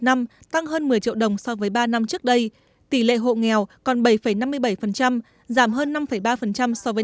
năm tăng hơn một mươi triệu đồng so với ba năm trước đây tỷ lệ hộ nghèo còn bảy năm mươi bảy giảm hơn năm ba so với